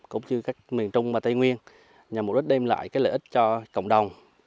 cũng như các miền trung và tây nguyên nhằm mục đích đem lại lợi ích cho cộng đồng